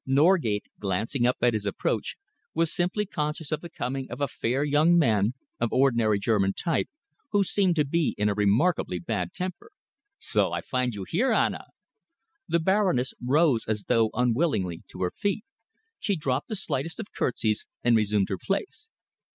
Norgate, glancing up at his approach, was simply conscious of the coming of a fair young man of ordinary German type, who seemed to be in a remarkably bad temper. "So I find you here, Anna!" The Baroness rose as though unwillingly to her feet. She dropped the slightest of curtseys and resumed her place.